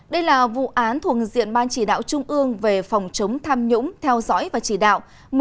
đây là vụ án thuộc diện ban chỉ đạo trung ương về phòng chống tham nhũng theo dõi và chỉ đạo